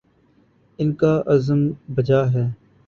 ان کا عزم بجا ہے۔